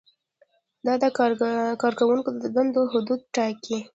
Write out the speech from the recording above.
دا د کارکوونکو د دندو حدود ټاکي.